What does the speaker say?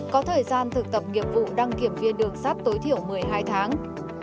có thời gian thực tập nghiệp vụ đăng kiểm viên đường sắt tối thiểu một mươi hai tháng